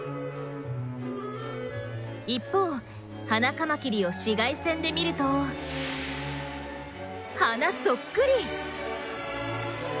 一方ハナカマキリを紫外線で見ると花そっくり！